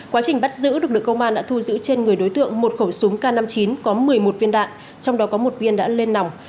quá trình bắt giữ lực lượng công an đã thu giữ trên người đối tượng một khẩu súng k năm mươi chín có một mươi một viên đạn trong đó có một viên đã lên nòng